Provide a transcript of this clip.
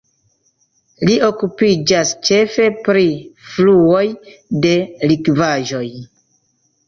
Li okupiĝas ĉefe pri fluoj de likvaĵoj.